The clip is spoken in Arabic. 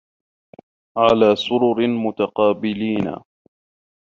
عَلى سُرُرٍ مُتَقابِلينَ